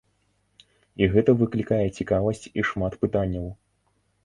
І гэта выклікае цікавасць і шмат пытанняў.